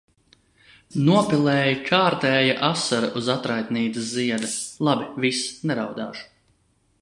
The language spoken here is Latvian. Nopilēja kārtēja asara uz atraitnītes zieda. Labi, viss, neraudāšu.